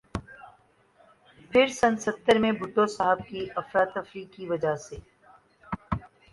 پھر سن ستر میں بھٹو صاھب کی افراتفریح کی وجہ سے